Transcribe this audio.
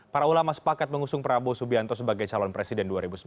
para ulama sepakat mengusung prabowo subianto sebagai calon presiden dua ribu sembilan belas